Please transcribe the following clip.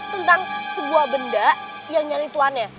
tentang sebuah benda yang nyari tuannya